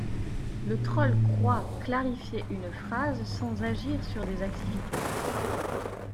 Le troll croit clarifier une phrase sans agir sur des activités.